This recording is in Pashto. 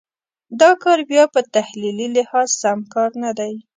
دا کار بیا په تحلیلي لحاظ سم کار نه دی.